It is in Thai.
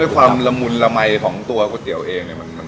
ด้วยความละมุนละมัยของตัวเป็นขวดเตี๋ยวเอง